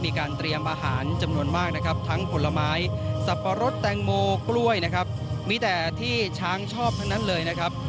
มีการเตรียมอาหารจำนวนมากนะครับทั้งผลไม้สับปะรดแตงโมกล้วยนะครับมีแต่ที่ช้างชอบทั้งนั้นเลยนะครับ